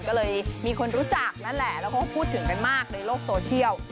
ก็เลยมีคนรู้จักนั่นแหละแล้วก็พูดถึงกันมากในโลกโซเชียล